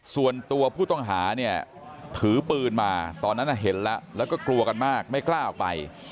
ส่วนตัวผู้ต้องหาเนี่ยถือปืนมาตอนนั้นเห็นแล้วแล้วก็กลัวกันมากไม่กล้าออกไป